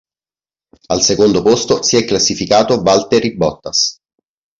Al secondo posto si è classificato Valtteri Bottas.